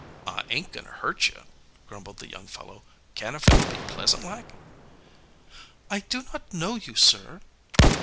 "I ain't going to hurt you," grumbled the young fellow. "Can't a fellow be pleasant like?" "I do not know you, sir."